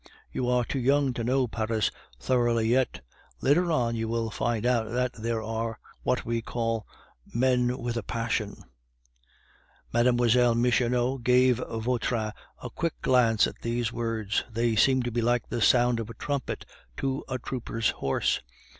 You are too young to know Paris thoroughly yet; later on you will find out that there are what we call men with a passion " Mlle. Michonneau gave Vautrin a quick glance at these words. They seemed to be like the sound of a trumpet to a trooper's horse.